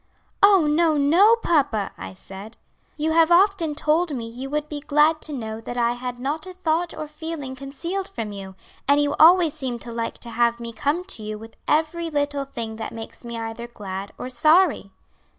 'Oh, no, no, papa,' I said; 'you have often told me you would be glad to know that I had not a thought or feeling concealed from you; and you always seem to like to have me come to you with every little thing that makes me either glad or sorry.'